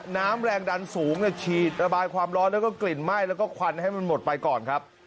น้ำแรงดันสูงฉีดระบายความร้อนแล้วก็กลิ่นไหม้แล้วก็ควันให้มันหมดไปก่อนครับ